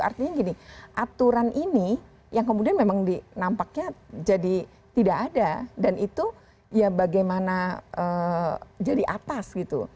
artinya gini aturan ini yang kemudian memang dinampaknya jadi tidak ada dan itu ya bagaimana jadi atas gitu